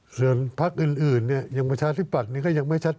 เกี่ยวภาคอื่นประชาธิปัตภ์นี้ก็ยังไม่ชัดเจน